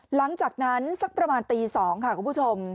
หลังจากนั้นสักประมาณตี๒ค่ะคุณผู้ชม